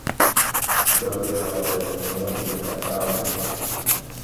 Dorr viajaba por el mundo y le encantaba aprender.